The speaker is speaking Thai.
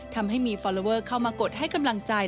ทำให้มีฟอลลอเวอร์เข้ามากดให้กำลังใจ